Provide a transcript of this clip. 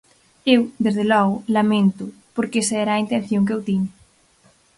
Eu, desde logo, laméntoo, porque esa era a intención que eu tiña.